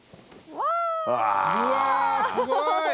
うわすごい！